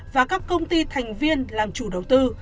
và các công ty thành viên làm chủ đầu tư